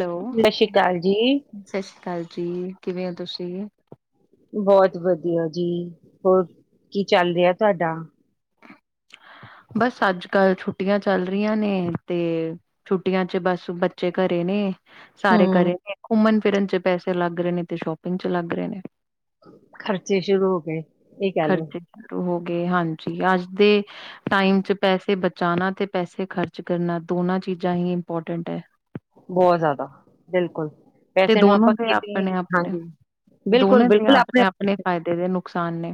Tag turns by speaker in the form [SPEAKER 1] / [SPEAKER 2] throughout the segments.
[SPEAKER 1] Hello!
[SPEAKER 2] ਸਤਿ ਸ਼੍ਰੀ ਅਕਾਲ ਜੀ,
[SPEAKER 1] ਸਤਿ ਸ਼੍ਰੀ ਅਕਾਲ ਜੀ। ਕਿਵੇਂ ਹੋ ਤੁਸੀਂ?
[SPEAKER 2] ਬਹੁਤ ਵਧੀਆ ਜੀ ਹੋਰ ਕੀ ਚੱਲ ਰਿਹਾ। ਤੁਹਾਡਾ,
[SPEAKER 1] ਬਸ। ਅੱਜ- ਕੱਲ ਛੁੱਟੀਆਂ ਚੱਲ ਰਹੀਆਂ ਨੇ ਤੇ, ਛੁੱਟੀਆਂ ਚ ਬਸ ਬੱਚੇ ਘਰੇ ਨੇ ਸਾਰੇ
[SPEAKER 2] ਹੂੰ,
[SPEAKER 1] ਕਰੇ ਨੇ ਘੁੰਮਨ ਫਿਰਨ ਚ ਪੈਸੇ ਲੱਗ ਰਹੇ ਨੇ, ਤੇ ਸ਼ੋਪਿੰਗ ਚ ਲੱਗ ਰਹੇ ਨੇ।
[SPEAKER 2] ਖਰਚੇ ਸ਼ੁਰੂ ਹੋ ਗਏ, ਇਹ ਕਹਿ ਲੋੋ
[SPEAKER 1] ਕੇ, ਹਾਂਜੀ ਅੱਜ ਦੇ ਟਾਈਮ ਚ ਪੈਸੇ ਬ ਜਾਣਾ, ਤੇ ਪੈਸੇ ਖਰਚ ਕਰਨਾ, ਦੋਨਾਂ ਚੀਜ਼ਾਂ ਹੀ ਇੰਪੋਰਟੈਂਟ ਹੈ।
[SPEAKER 2] ਬਹੁਤ ਜ਼ਿਆਦਾ, ਬਿਲਕੁਲ।
[SPEAKER 1] ਤੇ
[SPEAKER 2] ਪੈਸੇ ਨੂੰ
[SPEAKER 1] ਦੋਨੋ
[SPEAKER 2] ਆਪਾਂ
[SPEAKER 1] ਦੇ
[SPEAKER 2] ਕਿਤੇ
[SPEAKER 1] ਆਪਣੇ-ਆਪਣੇ,
[SPEAKER 2] ਹਾਂਜੀ,
[SPEAKER 1] ਦੋਨੋ ਦੀਆਂ ਆਪਣੇ-ਆਪਣੇ ਫ਼ਾਇਦੇ ਦੇ ਨੁਕ ਨੁਕਸਾਨ ਨੇ।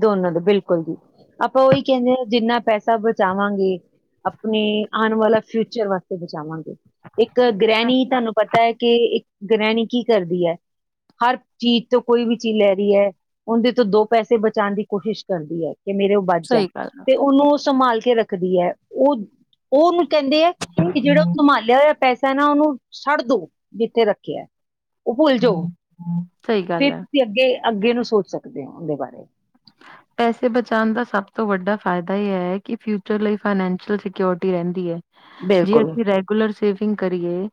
[SPEAKER 2] ਦੋਨਾਂ ਦੇ ਬਿਲਕੁਲ ਜੀ, ਆਪਾਂ ਉਹੀ ਕਹਿੰਣੇ ਹਾਂ ਜਿੰਨਾ ਪੈਸਾ ਬਚਾਵਾਂਗੇ, ਆਪਣੇ ਆਣ ਵਾਲਾ ਫਿਊਚਰ ਵਾਸਤੇ ਬਚਾਵਾਂਗੇ। ਇੱਕ
[SPEAKER 1] ਸਹੀ
[SPEAKER 2] ਗ੍ਰਹਿਣੀ
[SPEAKER 1] ਗੱਲ
[SPEAKER 2] ਤੁਹਾਨੂੰ ਪਤਾ ਹੈ, ਕਿ ਇੱਕ ਗ੍ਰਹਿਣੀ ਕੀ ਕਰਦੀ ਹੈ? ਹਰ ਚੀਜ਼ ਤੋਂ ਕੋਈ ਵੀ ਚੀਜ਼ ਲੈ ਰਹੀ ਹੈ, ਔਂਦੇ ਤੋਂ ਦੋ ਪੈਸੇ ਬਚਾਉਣ ਦੀ ਕੋਸ਼ਿਸ਼ ਕਰਦੀ ਹੈ। ਕੇ ਮੇਰੇ ਉਹ ਬਚ ਜਾਣ,
[SPEAKER 1] ਸਹੀ ਗੱਲ
[SPEAKER 2] ਤੇ ਉਹਨੂੰ ਉਹ ਸੰਭਾਲ ਕੇ ਰੱਖਦੀ ਹੈ, ਉਹ ਉਹਨੂੰ ਕਹਿੰਦੇ ਆ ਕਿ ਜਿਹੜਾ ਉਹ ਸੰਭਾਲਿਆ ਹੋਇਆ ਪੈਸਾ ਹੇਨਾ ਉਹਨੂੰ ਛੱਡ ਦੋ ਜਿੱਥੇ ਰੱਖਿਆ। ਉਹ ਭੁੱਲ ਜਾਓ,
[SPEAKER 1] ਸਹੀ
[SPEAKER 2] ਫਿਰ
[SPEAKER 1] ਗੱਲ ਹੈ
[SPEAKER 2] ਤੁਸੀਂ ਅੱਗੇ ਅੱਗੇ ਨੂੰ ਸੋਚ ਸਕਦੇ ਹਾਂ। ਅਗੇ ਬਾਰੇ
[SPEAKER 1] ਪੈਸੇ ਬਚਾਉਣ ਦਾ ਸਭ ਤੋਂ ਵੱਡਾ ਫਾਇਦਾ ਇਹ ਹੈ, ਕਿ ਫਿਊਚਰ ਲਈ ਫਾਈਨੈਂਸ਼ੀਅਲ ਸਿਕਿਉਰਟੀ ਰਹਿੰਦੀ ਹੈ। ਜੇ
[SPEAKER 2] ਬਿਲਕੁਲ
[SPEAKER 1] ਅਸੀਂ ਰੈਗੂਲਰ ਸੇਵ ਸੇਵਿੰਗ ਕਰੀਏ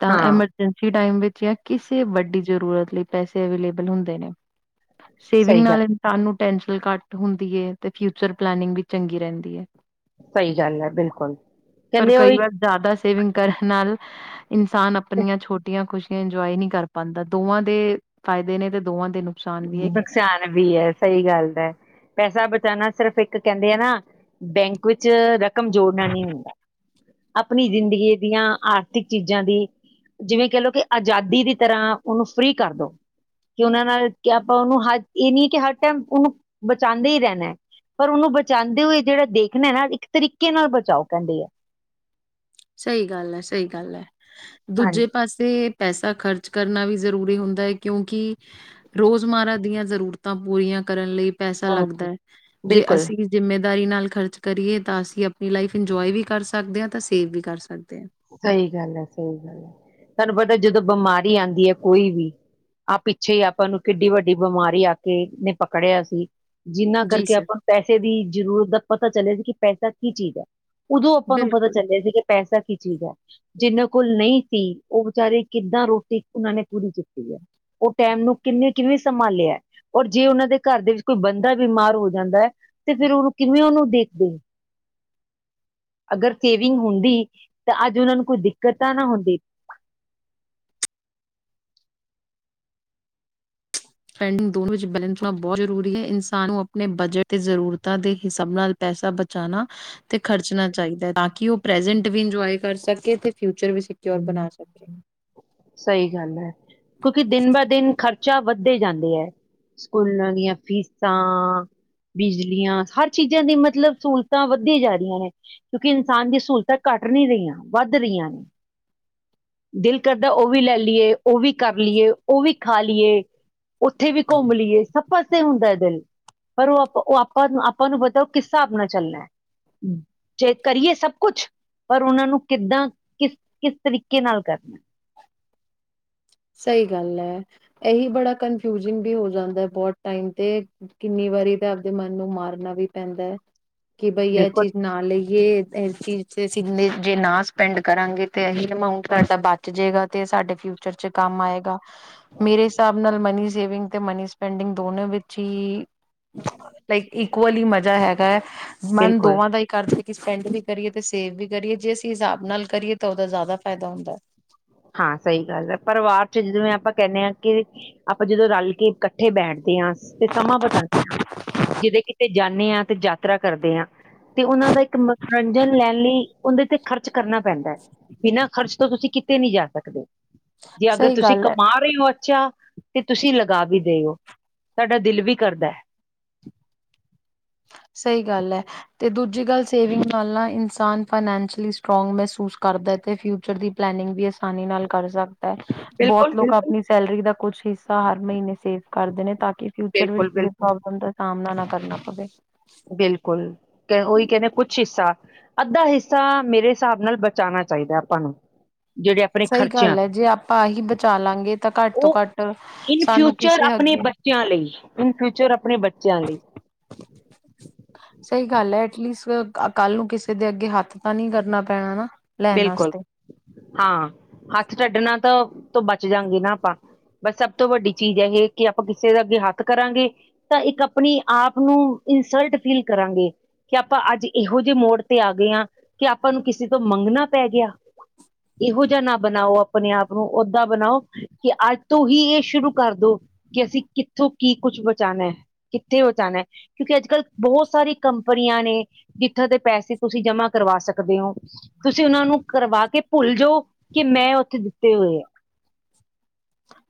[SPEAKER 1] ਤਾਂ
[SPEAKER 2] ਹਾਂ
[SPEAKER 1] ਐਮਰਜੈਂਸੀ ਟਾਈਮ ਵਿੱਚ ਜਾਂ ਕਿਸੇ ਵੱਡੀ ਜ਼ਰੂਰਤ ਲਈ ਪੈਸੇ ਅਵੇਲੇਬਲ ਹੁੰਦੇ ਨੇ ਸੇਵਿੰਗ
[SPEAKER 2] ਸਹੀ
[SPEAKER 1] ਨਾਲ
[SPEAKER 2] ਗੱਲ
[SPEAKER 1] ਇਨਸਾਨ ਨੂੰ ਟੈਨਸ਼ ਘੱਟ ਹੁੰਦੀ ਹੈ, ਤੇ ਫਿਊਚਰ ਪਲੈਨਨਿੰਗ ਵੀ ਚੰਗੀ ਰਹਿੰਦੀ ਹੈ।
[SPEAKER 2] ਸਹੀ ਗੱਲ ਹੈ। ਬਿਲਕੁਲ,
[SPEAKER 1] ਪਰ
[SPEAKER 2] ਕਹਿੰਦੇ
[SPEAKER 1] ਕਈ
[SPEAKER 2] ਉਹੀ
[SPEAKER 1] ਵਾਰ ਜ਼ਿਆਦਾ ਸੇਵਿੰਗ ਕਰਨ ਨਾਲ ਇਨਸਾਨ ਆਪਣੀਆਂ ਛੋਟੀਆਂ ਖੁਸ਼ ਇੰਜੋਏ ਨਹੀਂ ਕਰ ਪਾਂਦਾ, ਦੋਵਾਂ ਦੇ ਫਾਇਦੇ ਨੇ ਤੇ ਦੋਵਾਂ ਦੇ ਨੁਕਸਾਨ ਵੀ ਹੈਗੇ ਨੇ।
[SPEAKER 2] ਨੁਕਸਾਨ ਵੀ ਹੈ, ਸਹੀ ਗੱਲ ਏ। ਪੈਸਾ ਬਚਾਉਣਾ ਸਿਰਫ ਇੱਕ ਕਹਿੰਦੇ ਆ ਨਾ, ਬੈਂਕ ਵਿੱਚ ਰੱਖ ਕਮਜੋਰਨਾ ਨਹੀਂ ਹੁੰਦਾ। ਆਪਣੀ ਜ਼ਿੰਦਗੀ ਦੀਆਂ ਆਰਥਿਕ ਚੀਜ਼ਾਂ ਦੀ ਜਿਵੇਂ ਕਹਿ ਲਓ ਕਿ ਆਜ਼ਾਦੀ ਦੀ ਤਰ੍ਹਾਂ ਉਹਨੂੰ ਫਰੀ ਕਰ ਦਉ, ਕਿ ਉਹਨਾਂ ਨਾਲ ਕਿ ਆਪਾਂ ਉਹਨੂੰ ਹਰ, ਇਹ ਨਹੀ ਕਿ ਹਰ ਟਾਈਮ ਉਹਨੂੰ ਬਚਾਉਂਦੇ ਹੀ ਰਹਿਣਾ ਹੈ, ਪਰ ਉਹਨੂੰ ਬਚਾਉਂਦੇ ਹੋਏ ਜਿਹੜਾ ਦੇਖਣਾ ਨਾ ਇੱਕ ਤਰੀਕੇ ਨਾਲ ਬਚਾਓ ਕਹਿੰਦੇ ਹੈ।
[SPEAKER 1] ਸਹੀ ਗੱਲ ਹੈ, ਸਹੀ ਗੱਲ ਹੈ। ਦੂਜੇ
[SPEAKER 2] ਹਾਂਜੀ
[SPEAKER 1] ਪਾਸੇ ਪੈਸਾ ਖ਼ਰਚ ਕਰਨਾ ਵੀ ਜ਼ਰੂਰੀ ਹੁੰਦਾ ਹੈ, ਕਿਉਂਕਿ ਰੋਜ਼ਮਰਾ ਦੀਆਂ ਜ਼ਰੂਰਤਾਂ ਪੂਰੀਆਂ ਕਰਨ ਲਈ ਪੈਸਾ ਲੱਗਦਾ
[SPEAKER 2] ਹਾਂਜੀ
[SPEAKER 1] ਹੈ ਜੇ
[SPEAKER 2] ਬਿਲਕੁਲ
[SPEAKER 1] ਅਸੀਂ ਜਿਮੇ ਜਿੰਮੇਦਾਰੀ ਨਾਲ ਖਰਚ ਕਰੀਏ ਤਾਂ ਅਸੀਂ ਆਪਣੀ ਲਾਈਫ ਇੰਜੋਏ ਵੀ ਕਰ ਸਕਦੇ ਹਾਂ, ਤਾਂ ਅਸੀਂ ਸੇਵ ਵੀ ਕਰ ਸਕਦੇ ਹਾਂ।
[SPEAKER 2] ਸਹੀ ਗੱਲ ਹੈ, ਸਹੀ ਗੱਲ ਹੈ। ਤੁਹਾਨੂੰ ਪਤਾ ਜਦੋਂ ਬਿਮਾਰੀ ਆਦੀ ਹੈ ਕੋਈ ਵੀ ਆਹ ਪਿੱਛੇ ਹੀ ਆਪਾਂ ਨੂੰ ਕਿੰਨੀ ਵੱਡੀ ਬਿਮਾਰੀ ਨੇ ਆ ਕੇ ਪਕੜਿਆ ਸੀ। ਜਿਨਾਂ
[SPEAKER 1] ਜੀ
[SPEAKER 2] ਕਰਕੇ
[SPEAKER 1] ਸਰ
[SPEAKER 2] ਆਪਾਂ ਨੂੰ ਪੈਸੇ ਦੀ ਜ਼ਰੂਰਤ ਦਾ ਪਤਾ ਚਲਿਆ। ਕਿ ਪੈਸਾ ਕੀ ਚੀਜ਼ ਹੈ। ਉਦੋਂ ਆਪਾਂ ਨੂੰ ਪਤਾ
[SPEAKER 1] ਬਿਲਕੁਲ
[SPEAKER 2] ਚੱਲਿਆ ਸੀ ਕਿ ਪੈਸਾ ਚੀਜ਼ ਹੈ। ਜਿਹਨਾਂ ਕੋਲ ਨਹੀਂ ਸੀ। ਉਹ ਵਿਚਾਰੇ ਕਿੱਦਾਂ ਰੋਟੀ, ਉਹਨਾਂ ਨੇ ਪੂਰੀ ਕੀਤੀ ਹੈ, ਉਹ ਟਾਇਮ ਨੂੰ ਕਿਵੇਂ ਸੰਭਾਲਿਆ, ਔਰ ਜੇ ਉਹਨਾਂ ਦੇ ਘਰ ਦੇ ਵਿੱਚ ਕੋਈ ਬੰਦਾ ਬਿਮਾਰ ਹੋ ਜਾਂਦਾ ਹੈ। ਤੇ ਫ਼ੇਰ ਉਹਨੂੰ ਕਿਵੇਂ ਉਹਨੂੰ ਦੇਖੋ, ਅਗਰ ਸੇਵਿੰਗ ਹੁੰਦੀ। ਤੇ ਅੱਜ ਉਹਨਾਂ ਨੂੰ ਕੋਈ ਦਿੱਕਤ ਤਾਂ ਨਾ ਹੁੰਦੀ।
[SPEAKER 1] ਪੈਂਡਿੰਗ ਦੋਨੋ ਵਿਚ ਬੈਲਸ ਹੋਣਾ ਬਹੁਤ ਜਰੂਰੀ ਹੈ, ਇਨਸਾਨ ਨੂੰ ਆਪਣੇ ਬਜਟ ਤੇ ਜਰੂਰਤਾਂ ਦੇ ਹਿਸਾਬ ਨਾਲ ਪੈਸਾ ਬਚਾਣਾ ਤੇ ਖਰਚਣਾ ਚਾਹੀਦਾ ਹੈ। ਕਿ ਉਹ ਪ੍ਰੈਜੈਂਟ ਵੀ ਇਨਜੋਏ ਕਰ ਸਕੇ ਤੇ ਫਿਊਚਰ ਵੀ ਸਕਿਓਰ ਬਣਾ ਸਕੇ।
[SPEAKER 2] ਸਹੀ ਗੱਲ ਹੈ, ਕਿਉਂਕਿ ਦਿਨ ਬਾ ਦਿਨ ਖਰਚ ਵੱਧਦੇ ਜਾਂਦੇ ਹੈ। ਸਕੂਲਾਂ ਦੀਆਂ ਫੀਸਾਂ, ਬਿਜਲੀਆਂ ਹਰ ਚੀਜ਼ਾਂ ਚਾ ਦੀ ਮਤਲਬ ਸਹੂਲਤਾਂ ਵੱਧਦੀਆ ਜਾ ਰਹੀਆਂ ਨੇ ਕਿਉਂਕਿ ਇਨਸਾਨ ਦੀ ਸਹੂਲਤਾਂ ਘੱਟ ਨਹੀਂ ਰਹੀਆਂ ਵੱਧ ਰਹੀਆਂ ਨੇ ਦਿਲ ਕਰਦਾ। ਉਹ ਵੀ ਲੈ ਲਈਏ, ਉਹ ਵੀ ਕਰ ਲਈਏ, ਉਹ ਵੀ ਖਾ ਲਈਏ। ਉੱਥੇ ਵੀ ਘੁੰਮ ਲਈਏ ਸਭ ਪਾਸੇ ਹੁੰਦਾ ਦਿਲ ਪਰ ਉਹ ਆਪ ਉਹ ਆਪਾਂ-ਆਪਾਂ ਨੂੰ ਪਤਾ ਉਹ ਕਿਸ ਹਿਸਾਬ ਨਾਲ ਚੱਲਣਾ ਹੈ, ਜੇ ਕਰੀਏ ਸਭ ਕੁਛ ਪਰ ਉਹਨਾਂ ਨੂੰ ਕਿੱਦਾਂ ਕਿਸ-ਕਿਸ ਤਰੀਕੇ ਨਾਲ ਕਰਨਾ।
[SPEAKER 1] ਸਹੀ ਗੱਲ ਹੈ। ਇਹੀ ਬੜਾ ਕੰਨਫਿਊਜ ਇਹ ਵੀ ਹੋ ਜਾਂਦਾ ਬਹੁਤ ਟਾਈਮ ਤੇ ਕਿੰਨੀ ਵਾਰੀ ਤੇ ਆਪਦੇ ਮਨ ਨੂੰ ਮਾਰਨਾ ਵੀ ਪੈਂਦਾ ਹੈ। ਕਿ ਬਈ ਇਹ
[SPEAKER 2] ਬਿਲਕੁਲ
[SPEAKER 1] ਚੀਜ਼ ਨਾ ਲਈ ਜੇ ਇਹ ਚੀਜ਼ ਤੇ ਅਸੀ ਜੇ ਨਾ ਸਪੈਂਡ ਕਰਾਂਗੇ ਤੇ ਇਹੀ ਅਮਾਊਂਟ ਸਾਡਾ ਬਚ ਜਾਵੇਗਾ ਤੇ ਸਾਡੇ ਫਿਊਚਰ ਚ ਕੰਮ ਆਏਗਾ, ਮੇਰੇ ਹਿਸਾਬ ਨਾਲ ਮਨੀ- ਸੇਵਿੰਗ ਤੇ ਮਨੀ ਸਪੈਂਡਿੰਗ ਦੋਨੋ ਵਿੱਚ ਹੀ ਲਾਈਕ ਇਕਵਲੀ ਮਜ਼ਾ ਹੈਗਾ। ਕੈਸ਼ [unintelligible] ਮਨ
[SPEAKER 2] ਬਿਲਕੁਲ
[SPEAKER 1] ਦੋਵਾਂ ਦਾ ਹੀ ਕਰਦਾ। ਸਪੈਂਡ ਵੀ ਕਰੀਏ ਤੇ ਸੇਵ ਵੀ ਕਰੀਏ, ਜੇ ਅਸੀਂ ਹਿਸਾਬ ਨਾਲ ਕਰੀਏ ਤਾਂ ਉਹਦਾ ਜ਼ਿਆਦਾ ਫਾਇਦਾ ਹੁੰਦਾ।
[SPEAKER 2] ਹਾਂ, ਸਹੀ ਗੱਲ ਹੈ। ਪਰਿਵਾਰ ਚ ਜਿਵੇਂ ਆਪਾਂ ਕਹਿੰਦੇ ਹਾਂ ਕਿ ਆਪਾਂ ਜਦੋਂ ਰਲ ਕੇ ਇਕੱਠੇ ਬੈਠਦੇ ਹਾਂ ਤੇ ਸਮਾਂ ਬਿਤਾਦੇ ਆ, ਜਦੋਂ ਕਿਤੇ ਜਾਂਦੇ ਹਾਂ ਤੇ ਯਾਤਰਾ ਕਰਦੇ ਹਾਂ ਤੇ ਉਹਨਾਂ ਦਾ ਇੱਕ ਮਨੋਰੰਜਨ ਲੈਣ ਲਈ ਉਹਦੇ ਤੇ ਖਰਚ ਕਰਨਾ ਪੈਂਦਾ ਹੈ। ਬਿਨਾਂ ਖਰਚ ਤੋਂ ਤੁਸੀਂ ਕਿਤੇ। ਨਹੀਂ ਜਾ ਸਕਦੇ। ਜੇ ਅਗਰ
[SPEAKER 1] ਸਹੀ
[SPEAKER 2] ਤੁਸੀਂ
[SPEAKER 1] ਗੱਲ ਐ
[SPEAKER 2] ਕਮਾ ਰਹੇ ਹੋ, ਛਾ ਤੇ ਤੁਸੀਂ ਲਗਾ ਵੀ ਦਿਓ ਤੁਹਡਾ ਦਿਲ ਵੀ ਕਰਦਾ ਹੈ।
[SPEAKER 1] ਸਹੀ ਗੱਲ ਹੈ, ਤੇ ਦੂਜੀ ਗੱਲ ਸੇਵਿੰਗ ਪਹਿਲਾ ਇਨਸਾਨ ਫਾਈਨੈਂਸ਼ਲੀ ਸਟਰੋਂਗ ਮਹਿਸੂਸ ਕਰਦਾ ਅਤੇ ਫਿਊਚਰ ਦੀ ਪਲੈਨਿੰਗ ਵੀ ਆਸਾਨੀ ਨਾਲ ਕਰ ਸਕਦਾ ਬਹੁਤ
[SPEAKER 2] ਬਿਲਕੁਲ
[SPEAKER 1] ਲੋਕ ਆਪਣੀ ਸੈਲਰੀ ਦਾ ਕੁਛ ਹਰ ਮਹੀਨੇ ਸੇਫ ਕਰਦੇ ਨੇ ਤਾਂ ਕਿ ਫਿਊਚਰ ਵਿੱਚ
[SPEAKER 2] ਬਿਲਕੁਲ ਬਿਲਕੁਲ
[SPEAKER 1] ਪ੍ਰੋਬਲਮ ਦਾ ਸਾਹਮਣਾ ਨਾ ਕਰਨਾ ਪਵੇ
[SPEAKER 2] ਬਿਲਕੁਲ ਉਹੀ ਕਹਿੰਦੇ ਕੁਝ ਹਿੱਸਾ ਅੱਧਾ ਹਿੱਸਾ ਮੇਰੇ ਹਿਸਾਬ ਨਾਲ ਬਚਾਉਣਾ ਚਾਹੀਦਾ ਆਪਾਂ ਨੂੰ ਜਿਹੜੇ ਆਪਣੇ
[SPEAKER 1] ਸਹੀ
[SPEAKER 2] ਖਰਚਿਆਂ
[SPEAKER 1] ਗੱਲ ਹੈ
[SPEAKER 2] ਤੋਂ।
[SPEAKER 1] ਜੇ ਆਪਾਂ ਆਹੀ ਬਚਾ ਲਾਂਗੇ ਤਾਂ ਘੱਟ ਤੋਂ
[SPEAKER 2] ਉਹ
[SPEAKER 1] ਘੱਟ
[SPEAKER 2] ਇਨ
[SPEAKER 1] ਸਾਨੂੰ
[SPEAKER 2] ਫਿਊਚਰ
[SPEAKER 1] ਕਿਸੇ
[SPEAKER 2] ਆਪਣੇ
[SPEAKER 1] ਅੱਗੇ ਹੱਥ ਨਹੀਂ ਕਰਨ ਪੇਗਾ
[SPEAKER 2] ਬੱਚੇ ਲਈ
[SPEAKER 1] ਸਹੀ ਗੱਲ ਹੈ ਐਟਲੀਸਟ ਕੱਲ ਨੂੰ ਕਿਸੇ ਦੇ ਅੱਗੇ ਹੱਥ ਤਾਂ ਨਹੀਂ ਕਰਨਾ ਪੈਣਾ ਨਾ ਲੈਣ
[SPEAKER 2] ਬਿਲਕੁਲ
[SPEAKER 1] ਵਾਸਤੇ।
[SPEAKER 2] ਹਾਂ ਹੱਥ ਅਡਣਾ ਤੋਂ ਬਚ ਜਾਂਗੇ ਨਾ ਆਪਾਂ ਬਸ ਸਭ ਤੋਂ ਵੱਡੀ ਚੀਜ਼ ਇਹ ਕਿ ਆਪਾਂ ਕਿਸੇ ਦਾ ਅੱਗੇ ਹੱਥ ਕਰਾਂਗੇ ਤਾਂ ਇੱਕ ਆਪਣੀ ਆਪ ਨੂੰ ਇਨਸਲਟ ਫੀਲ ਕਰਾਂਗੇ ਕਿ ਆਪਾਂ ਅੱਜ ਇਹੋ ਜਿਹੇ ਮੋੜ ਤੇ ਆ ਗਏ ਹਾਂ ਕਿ ਆਪਾਂ ਨੂੰ ਕਿਸੇ ਤੋਂ ਮੰਗਣਾ ਪੈ ਗਿਆ ਇਹੋ ਜਿਹਾ ਨਾ ਬਣਾਓ ਆਪਣੇ ਆਪ ਨੂੰ ਓਦਾਂ ਬਣਾਓ ਕਿ ਅੱਜ ਤੋਂ ਹੀ ਇਹ ਸ਼ੁਰੂ ਕਰ ਦੋ ਕਿ ਅਸੀਂ ਕਿੱਥੋਂ ਕੀ ਕੁੱਛ ਬਚਾਉਣਾ ਹੈ ਕਿੱਥੇ ਬਚਾਉਣਾ ਕਿਉਂਕਿ ਅੱਜ ਕੱਲ੍ਹ ਬਹੁਤ ਸਾਰੀ ਕੰਪਨੀਆਂ ਨੇ ਜਿੱਥੋਂ ਦੇ ਪੈਸੇ ਤੁਸੀਂ ਜਮ੍ਹਾਂ ਕਰਵਾ ਸਕਦੇ ਹੋ ਤੁਸੀਂ ਉਹਨਾਂ ਨੂੰ ਕਰਵਾ ਕੇ ਭੁੱਲ ਜਾਓ ਕਿ ਮੈਂ ਉੱਥੇ ਦਿੱਤੇ ਹੋਏ ਆ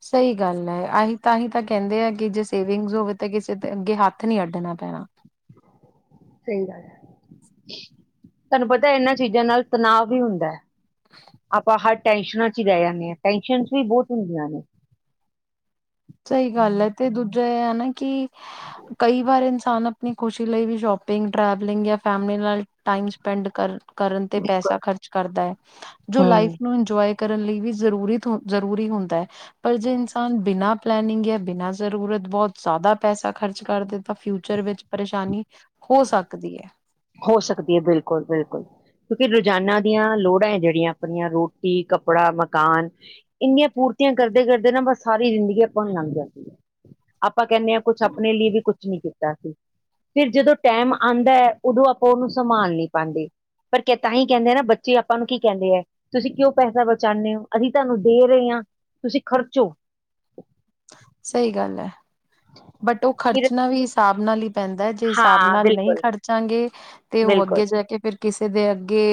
[SPEAKER 1] ਸਹੀ ਗੱਲ ਹੈ ਅਸੀ ਤਾਂ ਅਸੀ ਤਾਂ ਕਹਿੰਦੇ ਆ ਕਿ ਜੇ ਸੇਵਿੰਗ ਹੋਵੇ ਤਾਂ ਕਿਸੇ ਅੱਗੇ ਹੱਥ ਨ ਅੱਡਣਾ ਪੈਣਾ
[SPEAKER 2] ਸਹੀ ਗੱਲ ਹੈ ਤੁਹਾਨੂੰ ਪਤਾ ਇਹਨਾਂ ਚੀਜ਼ਾਂ ਨਾਲ ਤਣਾਅ ਵੀ ਹੁੰਦਾ ਹੈ ਆਪਾਂ ਹਰ ਟੈਸ਼ਨਾਂ ਚ ਹੀ ਰਹਿ ਜਾਂਦੇ ਹਾਂ ਟੈਸ਼ਨ ਵੀ ਬਹੁਤ ਹੁੰਦੀਆਂ ਨੇ
[SPEAKER 1] ਸਹੀ ਗੱਲ ਹੈ ਤੇ ਦੂਜਾ ਇਹ ਹਨ ਨਾ ਕਿ ਕਈ ਵਾਰ ਇਨਸਾਨ ਆਪਣੀ ਖੁਸ਼ੀ ਲਈ ਵੀ ਸ਼ੋਪਿੰਗ ਡਾਰਲਿੰਗ ਜਾਂ ਫੈਮਲੀ ਨਾਲ ਟਾਈਮ ਸਪੈਂਡ ਕਰਨ ਕਰਨ ਤੇ
[SPEAKER 2] ਬਿਲਕੁਲ
[SPEAKER 1] ਪੈਸਾ ਖਰਚ ਕਰਦਾ ਹੈ ਜੋ
[SPEAKER 2] ਹਮ
[SPEAKER 1] ਲਾਈਫ ਨੂੰ ਇੰਜੋਵਾ ਕਰਨ ਲਈ ਵੀ ਜ਼ਰੂਰੀ ਤੋਂ ਜ਼ਰੂਰੀ ਹੁੰਦਾ ਹੈ ਪਰ ਜੇ ਇਨਸਾਨ ਬਿਨਾਂ ਪਲੈਨਿੰਗ ਹੈ ਬਿਨਾ ਜ਼ਰੂਰਤ ਬਹੁਤ ਜ਼ਿਆਦਾ ਪੈਸਾ ਖ਼ਰਚ ਕਰਦੇ ਤਾਂ ਫਿਊਚਰ ਵਿੱਚ ਪਰੇਸ਼ਾਨੀ ਹੋ ਸਕਦੀ ਹੈ
[SPEAKER 2] ਹੋ ਸਕਦੀ ਹੈ ਬਿਲਕੁਲ ਬਿਲਕੁਲ ਕਿਉਂਕਿ ਰੋਜ਼ਾਨਾ ਦੀਆਂ ਲੋੜਾਂ ਹੈ ਜਿਹੜੀਆਂ ਆਪਣੀਆਂ ਰੋਟੀ ਕੱਪੜਾ ਮਕਾਨ ਇੰਨੀਆਂ ਪੂਰੀਆਂ ਕਰਦੇ ਕਰਦੇ ਨਾ ਬਸ ਸਾਰੀ ਜ਼ਿੰਦਗੀ ਆਪਾਂ ਨੂੰ ਲੰਘ ਜਾਂਦੀ ਹੈ ਆਪਾਂ ਕਹਿੰਦੇ ਹਾਂ ਕੁਛ ਆਪਣੇ ਲਈ ਵੀ ਕੁਛ ਨੀ ਕੀਤਾ ਸੀ ਫਿਰ ਜਦੋਂ ਟਾਈਮ ਆਉਂਦਾ ਹੈ ਉਦੋਂ ਆਪਾਂ ਉਹਨੂੰ ਸੰਭਾਲ ਨਹੀਂ ਪਾਉਂਦੇ ਪਰ ਤਾਂਹੀ ਕਹਿੰਦੇ ਆ ਨਾ ਬੱਚੇ ਆਪਾਂ ਨੂੰ ਕੀ ਕਹਿੰਦੇ ਹੈ ਤੁਸੀਂ ਕਿਉਂ ਪੈਸਾ ਬਚਾਉਦੇ ਹੋ ਅਸੀਂ ਤੁਹਾਨੂੰ ਦੇ ਰਹੇ ਹਾਂ ਤੁਸੀਂ ਖ਼ਰਚੋ
[SPEAKER 1] ਸਹੀ ਗੱਲ ਹੈ ਬਟ ਉਹ
[SPEAKER 2] ਫਿਰ
[SPEAKER 1] ਖਰਚਣਾ ਵੀ ਹਿਸਾਬ ਨਾਲ ਲਈ ਪੈਂਦਾ ਜੇ ਹਿਸਾਬ
[SPEAKER 2] ਹਾਂ
[SPEAKER 1] ਨਾਲ ਨਹੀਂ
[SPEAKER 2] ਬਿਲਕੁਲ
[SPEAKER 1] ਖਰਚਾਂਗੇ ਤੇ ਉਹ
[SPEAKER 2] ਬਿਲਕੁਲ
[SPEAKER 1] ਅੱਗੇ ਜਾ ਕੇ ਫਿਰ ਕਿਸੇ ਦੇ ਅੱਗੇ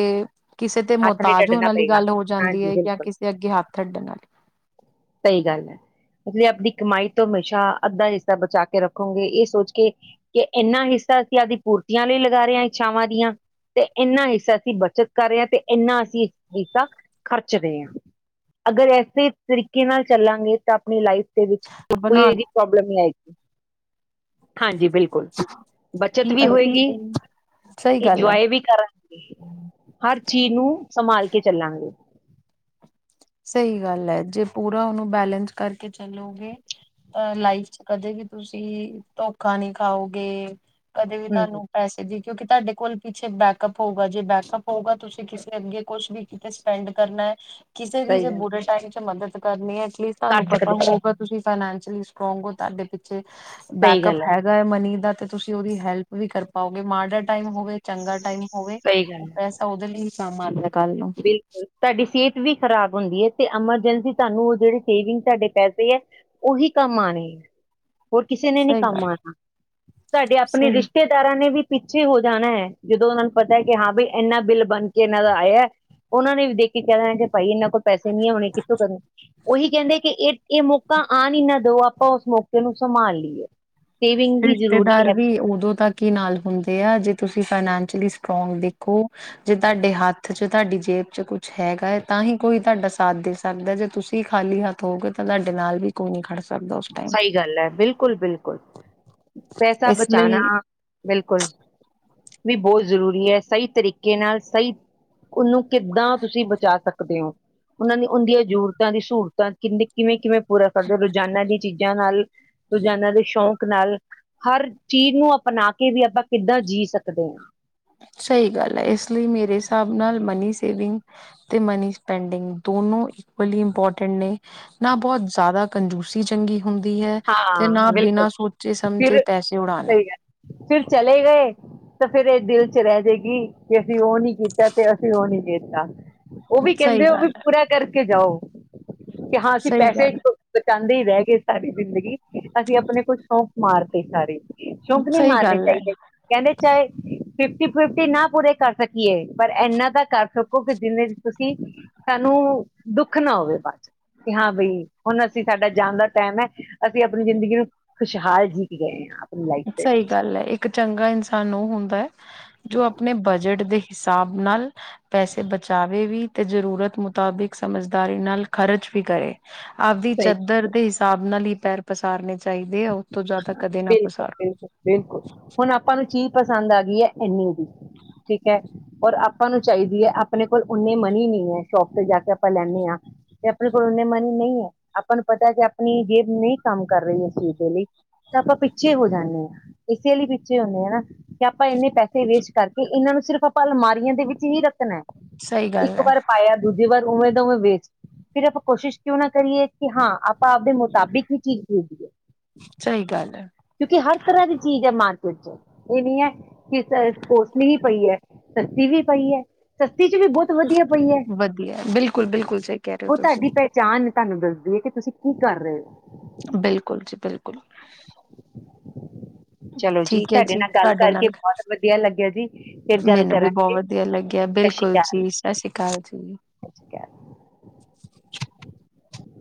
[SPEAKER 1] ਕਿਸੇ ਤੇ
[SPEAKER 2] ਹੱਥ ਨੀ
[SPEAKER 1] ਮੁਹਤਾਜ ਹੋਣ
[SPEAKER 2] ਅੱਡਣਾ
[SPEAKER 1] ਵਾਲੀ
[SPEAKER 2] ਪਏਗਾ
[SPEAKER 1] ਗੱਲ ਹੋ ਜਾਂਦੀ
[SPEAKER 2] ਹਾਂਜੀ
[SPEAKER 1] ਹੈ ਜਾਂ
[SPEAKER 2] ਬਿਲਕੁਲ
[SPEAKER 1] ਕਿਸੇ ਅੱਗੇ ਹੱਥ ਅੱਡਣ ਵਾਲੀ
[SPEAKER 2] ਮਤਲਬ ਆਪਣੀ ਕਮਾਈ ਤੋਂ ਹਮੇਸ਼ਾ ਅੱਧਾ ਹਿੱਸਾ ਬਚਾ ਕੇ ਰੱਖੋਗੇ ਇਹ ਸੋਚ ਕੇ ਕਿ ਇਨਾ ਹਿੱਸਾ ਅਸੀਂ ਆਪਦੀ ਪੂਰਤੀਆਂ ਲਈ ਲਗਾ ਰਹੇ ਹਾਂ ਇੱਛਾਵਾਂ ਦੀਆਂ ਤੇ ਇਹਨਾਂ ਹਿੱਸਾ ਅਸੀਂ ਬੱਚਤ ਕਰ ਰਹੇ ਹਾਂ ਤੇ ਇੰਨਾ ਅਸੀਂ ਇਸ ਫੀਸ ਦਾ ਖਰਚਦੇ ਹਾਂ ਅਗਰ ਇਸੇ ਤਰੀਕੇ ਨਾਲ ਚੱਲਾਂਗੇ ਤਾਂ ਆਪਣੀ ਲਾਈਫ ਵਿੱਚ ਕੋਈ
[SPEAKER 1] ਬਣਾ
[SPEAKER 2] ਇਹ ਪ੍ਰੋਬਲਮ ਹੀ ਆਈਗੀ ਹਾਂਜੀ, ਬਿਲਕੁਲ ਬੱਚਤ
[SPEAKER 1] ਕਿ
[SPEAKER 2] ਵੀ
[SPEAKER 1] ਅਸੀਂ
[SPEAKER 2] ਹੋਏਗੀ
[SPEAKER 1] ਸਹੀ ਗੱਲ ਹੈ
[SPEAKER 2] ਇੰਜੋਏ ਵੀ ਕਰਾਂਗੇ ਹਰ ਨੂੰ ਸੰਭਾਲ ਕੇ ਚੱਲਾਂਗੇ।
[SPEAKER 1] ਸਹੀ ਗੱਲ ਹੈ ਜੇ ਪੂਰਾ ਉਹਨੂੰ ਬੈਲੇਂਸ ਕਰਕੇ ਚੱਲੋਗੇ ਤਾਂ ਲਾਈਫ ਚ ਕਦੇ ਵੀ ਤੁਸੀਂ ਧੋਖਾ ਨਹੀਂ ਖਾਓਗੇ। ਕਦੇ ਵੀ
[SPEAKER 2] ਹਮ
[SPEAKER 1] ਤੁਹਾਨੂੰ ਪੈਸੇ ਦੀ ਕਿਉਂਕਿ ਤੁਹਾਡੇ ਕੋਲ ਪਿੱਛੇ ਬੈਕਅਪ ਹੋਊਗਾ ਜੇ ਬੈਕਅਪ ਹੋਊਗਾ ਤੁਸੀਂ ਕਿਸੇ ਅੱਗੇ ਕੁਛ ਵੀ ਕਿਤੇ ਸਪੈਂਡ ਕਰਨਾ ਹੈ। ਕਿਸੇ ਵੀ ਜੇ
[SPEAKER 2] ਸਹੀ ਗੱਲ
[SPEAKER 1] ਬੁਰੇ ਟਾਈਮ ਚ ਮਦ ਕਰਨੀ ਹੈ ਫਿਰ
[SPEAKER 2] ਕਰ
[SPEAKER 1] ਤੁਹਾਨੂੰ ਪਤਾ
[SPEAKER 2] ਸਕਦੇ ਹਾਂ ਆਪਾਂ
[SPEAKER 1] ਹੋਊਗਾ ਤੁਸੀਂ ਫਾਈਨੈਂਸ਼ਲੀ ਸਟਰੋਂਗ ਹੋ ਤੁਹਾਡੇ ਪਿੱਛੇ
[SPEAKER 2] ਸਹੀ
[SPEAKER 1] ਬੈਕਅਪ
[SPEAKER 2] ਗੱਲ
[SPEAKER 1] ਹੈਗਾ ਹੈ ਮਨੀ ਦਾ ਤੇ ਤੁਸੀਂ ਉਹਦੀ ਹੈਲਪ ਵੀ ਕਰ ਪਾਓਗੇ ਮਾੜਾ ਟਾਈਮ ਹੋਵੇ ਚੰਗਾ ਟਾਈਮ ਹੋਵੇ
[SPEAKER 2] ਸਹੀ
[SPEAKER 1] ਉਹ
[SPEAKER 2] ਗੱਲ ਹੈ
[SPEAKER 1] ਪੈਸਾ ਉਹਦੇ ਲਈ ਸਮਾਨ
[SPEAKER 2] ਬਿਲਕੁਲ ਤੁਹਾਡੀ ਸਿਹਤ ਵੀ ਖ਼ਰਾਬ ਹੁੰਦੀ ਹੈ ਤੇ ਐਮਰਜੈਂਸੀ ਤੁਹਾਨੂੰ ਉਹ ਜਿਹੜੇ ਸੇਵਿੰਗ ਤੁਹਾਡੇ ਪੈਸੇ ਹੈ ਉਹੀ ਕੰਮ ਆਉਣੇ ਹੈ ਹੋਰ ਕਿਸੇ ਨੇ ਨੀ
[SPEAKER 1] ਸਹੀ
[SPEAKER 2] ਕੰਮ
[SPEAKER 1] ਗੱਲ
[SPEAKER 2] ਆਣਾ ਤੁਹਾਡੇ ਆਪਣੇ
[SPEAKER 1] ਸਹੀ
[SPEAKER 2] ਰਿਸ਼ਤੇਦਾਰਾਂ ਨੇ ਵੀ ਪਿੱਛੇ ਹੋ ਜਾਣਾ ਹੈ ਜਦੋਂ ਉਹਨਾਂ ਨੂੰ ਪਤਾ ਹੈ ਕਿ ਹਾਂ ਵੀ ਇੰਨਾ ਬਿੱਲ ਬਣ ਕੇ ਇਹਨਾਂ ਦਾ ਆਇਆ ਉਹਨਾਂ ਨੇ ਵੀ ਦੇਖ ਕੇ ਕਹਿਣਾ ਕਿ ਭਾਈ ਇਹਨਾਂ ਕੋਲ ਪੈਸੇ ਨੀ ਹੋਣੇ ਕਿੱਥੋਂ ਕਦੋਂ ਉਹੀ ਕਹਿੰਦੇ ਕਿ ਇਹ ਇਹ ਮੌਕਾ ਆਣ ਨੀ ਨਾ ਦੋ ਆਪਾਂ ਉਸ ਮੌਕੇ ਨੂੰ ਸੰਭਾਲ ਲਈਏ ਸੇਵਿੰਗ ਵੀ ਜ਼ਰੂਰੀ
[SPEAKER 1] ਰਿਸ਼ਤੇਦਾਰ
[SPEAKER 2] ਹੈ
[SPEAKER 1] ਵੀ ਉਦੋਂ ਤੱਕ ਹੀ ਨਾਲ ਹੁੰਦੇ ਆ ਜੇ ਤੁਸੀਂ ਫਾਨ ਸਲੀ ਸਟਰੋਂਗ ਦੇਖੋ ਜੇ ਤੁਹਾਡੇ ਹੱਥ ਚ ਤੁਹਾਡੀ ਜੇਬ ਚ ਕੁਛ ਹੈਗਾ ਹੈ ਤਾਂ ਹੀ ਕੋਈ ਤੁਹਾਡਾ ਸਾਥ ਦੇ ਸਕਦਾ ਜੇ ਤੁਸੀਂ ਖਾਲੀ ਹੱਥ ਹੋਗੇ ਤਾਂ ਤੁਹਾਡੇ ਨਾਲ ਵੀ ਕੋਈ ਨੀ ਖੜ ਸਕ
[SPEAKER 2] ਸਹੀ ਗੱਲ ਹੈ ਬਿਲਕੁਲ ਬਿਲਕੁਲ ਪੈਸਾ
[SPEAKER 1] ਇਸ
[SPEAKER 2] ਬਚਾਨਾ
[SPEAKER 1] ਲਈ
[SPEAKER 2] ਬਿਲਕੁਲ ਵੀ ਬਹੁਤ ਜ਼ਰੂਰੀ ਹੈ ਸਹੀ ਤਰੀਕੇ ਨਾਲ ਸਹੀ ਉਹਨੂੰ ਕਿੱਦਾਂ ਤੁਸੀਂ ਬਚਾ ਸਕ ਸਕਦੇ ਹੋ ਉਹਨਾਂ ਨੇ ਉਹਦੀਆਂ ਜ਼ਰੂਰਤਾਂ ਦੀ ਸਹੂਲਤਾਂ ਕਿੰ ਕਿਵੇਂ ਕਿਵੇਂ ਪੂਰਾ ਕਰਦੇ ਰੋਜ਼ਾਨਾ ਦੀ [unintelligible] ਰੋਜ਼ਾਨਾ ਦੇ ਸ਼ੌਕ ਨਾਲ ਹਰ ਚੀਜ਼ ਨੂੰ ਅਪਣਾ ਕੇ ਵੀ ਆਪਾਂ ਕਿੱਦਾਂ ਜੀ ਸਕਦੇ ਹਾਂ।
[SPEAKER 1] ਸਹੀ ਗੱਲ ਹੈ ਇਸ ਲਈ ਮੇਰੇ ਹਿਸਾਬ ਨਾਲ ਮਨੀ ਸੇਵਿੰਗ ਤੇ ਮਨੀ ਸਪੈਂਡਿੰਗ ਦੋਨੋ ਹੀ ਬੜੇ ਇੰਪੋਰਟੈਂਟ ਨੇ ਨਾ ਬਹੁਤ ਜ਼ਿਆਦਾ ਕੰਜੂਸੀ ਚੰਗੀ ਹੁੰਦੀ ਹੈ ਤੇ ਨਾ
[SPEAKER 2] ਹਾਂ ਬਿਲਕੁਲ
[SPEAKER 1] ਬਿਨਾਂ ਸੋਚੇ
[SPEAKER 2] ਫਿਰ
[SPEAKER 1] ਸਮਝੇ ਪੈਸੇ ਉਡਾਣੇ
[SPEAKER 2] ਸਹੀ ਗੱਲ ਫਿਰ ਚਲੇ ਗਏ ਤਾਂ ਫਿਰ ਇਹ ਦਿਲ ਚ ਰਹਿ ਜਾਏਗੀ ਕਿ ਅਸੀਂ ਉਹ ਨੀ ਕੀਤਾ ਤੇ ਅਸੀਂ ਉਹ ਤਾਂ ਉਹ ਵੀ
[SPEAKER 1] ਸਹੀ
[SPEAKER 2] ਕਹਿੰਦੇ ਉਹ ਵੀ
[SPEAKER 1] ਗੱਲ ਹੈ
[SPEAKER 2] ਪੂਰਾ ਕਰਕੇ ਜਾਓ। ਕਿ ਹਾਂ ਅਸੀਂ
[SPEAKER 1] ਸਹੀ
[SPEAKER 2] ਪੈਸੇ
[SPEAKER 1] ਗੱਲ
[SPEAKER 2] ਬਚਾ ਸਾਰੇ ਰਹਿ ਗਏ ਜ਼ਿੰਦਗੀ ਅਸੀਂ ਆਪਣੇ ਕੁਛ ਸੌਂਕ ਮਾਰ ਤੇ ਸਾਰੇ।
[SPEAKER 1] ਹੈ
[SPEAKER 2] ਸ਼ੁਕ ਨਹੀਂ
[SPEAKER 1] ਸਹੀ
[SPEAKER 2] ਮਾਰਨੇ
[SPEAKER 1] ਗੱਲ ਹੈ
[SPEAKER 2] ਚਾਹੀਦੇ ਕਹਿੰਦੇ ਚਾਹੇ ਫਿਫਟੀ ਫਿਫਟੀ ਨਾ ਪੂਰੇ ਕਰ ਸਕੀਏ ਪਰ ਇੰਨਾ ਤਾਂ ਕਰ ਸਕੋ ਕਿ ਜਿਹਦੇ ਚ ਤੁਸੀਂ ਸਾਨੂੰ ਦੁੱਖ ਨਾ ਹੋਵੇ ਬੱਸ ਹਾਂ ਬਈ ਹੁਣ ਅਸੀਂ ਸਾਡਾ ਜਾਣ ਦਾ ਟਾਈਮ ਹੈ ਅਸੀਂ ਆਪਣੀ ਜ਼ਿੰਦਗੀ ਨੂੰ ਖੁਸ਼ਹਾਲ ਜੀਤ ਗਏ ਹਾਂ ਆਪ
[SPEAKER 1] ਸਹੀ ਗੱਲ ਹੈ ਇੱਕ ਚੰਗਾ ਇਨਸਾਨ ਉਹ ਹੁੰਦਾ ਹੈ ਜੋ ਆਪਣੇ ਬਜਟ ਦੇ ਹਿੱਸੇ ਹਿਸਾਬ ਨਾਲ। ਪੈਸੇ ਬਚਾਵੇ ਵੀ ਅਤੇ ਜ਼ਰੂਰਤ ਮੁਤਾਬਿਕ ਸਮਝਦਾਰੀ ਨਾਲ ਖਰਚ ਵੀ ਕਰੇ ਆਪਦੀ ਚਾਦਰ ਦੇ ਹਿਸਾਬ ਨਾਲ ਹੀ ਪੈਰ ਪਸਾਰ ਨੇ ਚਾਹੀਦੇ ਆ ਉਹ ਤੋਂ ਜ਼ਿਆਦਾ ਕਦੇ ਨਾ। ਪਸਾਰੋ
[SPEAKER 2] ਬਿਲਕੁਲ ਬਿਲਕੁਲ ਹੁਣ ਆਪਾਂ ਨੂੰ ਚੀਜ਼ ਪਸੰਦ ਆ ਗਈ ਹੈ ਇੰਨੀ ਦੀ ਠੀਕ ਹੈ। ਔਰ ਆਪਾਂ ਨੂੰ ਚਾਹੀਦੀ ਹੈ ਆਪਣੇ ਕੋਲ ਓਨੇ ਮਨੀ ਨਹੀਂ ਹੈ। ਸ਼ੋਪ ਤੇ ਜਾ ਕੇ ਆਪਾਂ ਲੈਂਦੇ ਹਾਂ ਤੇ ਆਪਣੇ ਕੋਲ ਓਨੇ ਮਨੀ ਨਹੀਂ ਹੈ। ਆਪਾਂ ਨੂੰ ਪਤਾ ਕਿ ਆਪਣੀ ਜੇ ਨਹੀਂ ਕੰਮ ਕਰ ਰਹੀ ਅਸੀਂ ਲਈ ਤਾਂ ਆਪਾਂ ਪਿੱਛੇ ਹੋ ਜਾਂਦੇ ਹਾਂ ਇਸੇ ਲਈ ਪਿੱਛੇ ਹੁੰਦੇ ਹ ਹਨਾ ਕਿ ਆਪਾਂ ਇੰਨੇ ਪੈਸੇ ਵੇਸਟ ਕਰਕੇ ਇਹਨਾਂ ਨੂੰ ਸਿਰਫ ਆਪਾਂ ਅਲਮਾਰੀਆਂ ਦੇ ਵਿੱਚ ਹੀ ਰੱਖਣਾ
[SPEAKER 1] ਸਹੀ ਗੱਲ
[SPEAKER 2] ਇੱਕ
[SPEAKER 1] ਹੈ
[SPEAKER 2] ਵਾਰ ਪਾਇਆ ਦੂਜੀੇ ਵਾਰ ਉਵੇਂ ਦਾ ਉਵੇਂ ਵਾਸਤੇ ਵੇਚ ਫ਼ਿਰ ਆਪਾਂ ਕੋਸ਼ਿਸ਼ ਕਿਉਂ ਨਾ ਕਰੀਏ ਕਿ ਹਾਂ ਆਪਾਂ ਆਪਦੇ ਮੁਤਾਬਿਕ ਹੀ ਚੀਜ਼ ਭੇਜੀਏ
[SPEAKER 1] ਸਹੀ ਗੱਲ ਹੈ।
[SPEAKER 2] ਕਿਉਂਕਿ ਹਰ ਤਰ੍ਹਾਂ ਦੀ ਚੀਜ਼ ਹੈ ਮਾਰਕੀਟ ਚ ਇਹ ਨਹੀਂ ਹੈ ਕਿ ਕੋੋਸਟਲੀ ਵੀ ਪਈ ਹੈ ਸਸਤੀ ਵੀ ਪਈ ਹੈ ਸਸਤੇ ਚ ਵੀ ਬਹੁਤ ਵਧੀਆ ਪਈ ਹੈ
[SPEAKER 1] ਵਧੀਆ ਬਿਲਕੁਲ ਬਿਲਕੁਲ ਸਹੀ ਕਹਿ ਰਹੇ ਹੋ
[SPEAKER 2] ਉਹ
[SPEAKER 1] ਤੁਸੀਂ
[SPEAKER 2] ਤੁਹਾਡੀ ਪਹਿਚਾਣ ਤੁਹਾਂਨੂੰ ਦੱਸਦੀ ਏ ਕਿ ਤੁਸੀਂ ਕੀ ਕਰ ਰਹੇਂ ਹੋ
[SPEAKER 1] ਬਿਲਕੁੱਲ ਜੀ ਬਿਲਕੁੱਲ
[SPEAKER 2] ਚਲੋਂ ਜੀ
[SPEAKER 1] ਠੀਕ ਹੈ
[SPEAKER 2] ਤੁਹਾਡੇ ਨਾਲ ਗੱਲ਼ ਕਰਕੇ
[SPEAKER 1] ਨਾਲ
[SPEAKER 2] ਬਹੁਤ ਵਧੀਆਂ ਲੱਗਿਆਂ ਜੀ ਫ਼ਿਰ ਗੱਲ਼
[SPEAKER 1] ਮੈਨੂੰ ਵੀ ਬਹੁਤ
[SPEAKER 2] ਕਰਾਂਗੇ
[SPEAKER 1] ਵਧੀਆ ਲੱਗਿਆ
[SPEAKER 2] ਸਤਿ
[SPEAKER 1] ਬਿਲਕੁਲ
[SPEAKER 2] ਸ਼੍ਰੀ
[SPEAKER 1] ਜੀ ਸਤਿ ਸ੍ਰੀ ਅਕਾਲ ਜੀ
[SPEAKER 2] ਅਕਾਲ